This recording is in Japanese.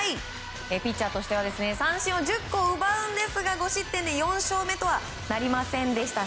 ピッチャーとしては三振を１０個奪うんですが５失点で４勝目とはなりませんでした。